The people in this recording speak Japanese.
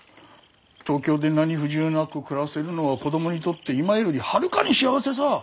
東京で何不自由なく暮らせるのは子供にとって今よりはるかに幸せさぁ。